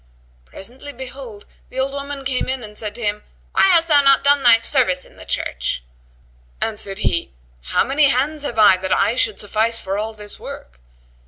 Presently behold, the old woman came in and said to him, "Why hast thou not done thy service in the church?" Answered he, "How many hands have I, that I should suffice for all this work?"